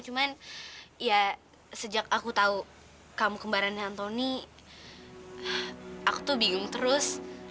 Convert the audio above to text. cuman ya sejak aku tahu kamu kembaran hantoni aku tuh bingung terus